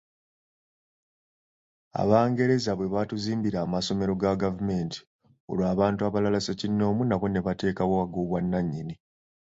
Abangereza bwe baatuzimbira amasomero ga gavumenti olwo abantu abalala ssekinnoomu nabo ne bateekaei og'obwannanyini.